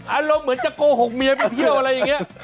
อารมณ์เหมือนจะโกหกเมียไปเที่ยวอะไรอย่างนี้